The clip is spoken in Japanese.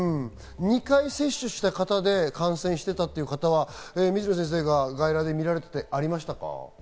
２回接種した方で感染していたという方は水野先生が外来で診られていて、ありましたか？